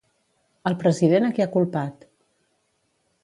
El president a qui ha culpat?